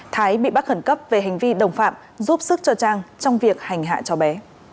thái bị bắt khẩn cấp về hành vi đồng phạm giúp sức cho trang trong việc hành hạ cháu bé